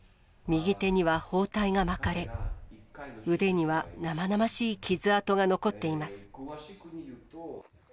右手には包帯が巻かれ、腕には生々しい傷痕が残っています。